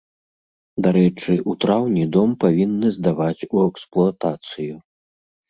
Дарэчы, у траўні дом павінны здаваць у эксплуатацыю.